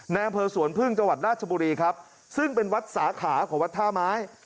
อำเภอสวนพึ่งจังหวัดราชบุรีครับซึ่งเป็นวัดสาขาของวัดท่าไม้